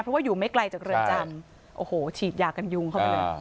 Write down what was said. เพราะว่าอยู่ไม่ไกลจากเรือนจำโอ้โหฉีดยากันยุงเข้าไปเลย